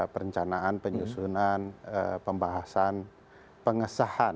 perencanaan penyusunan pembahasan pengesahan